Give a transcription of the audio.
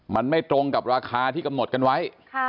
มันไม่ตรงกับราคาที่กำหนดกันไว้